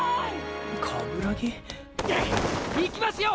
鏑木⁉・行きますよ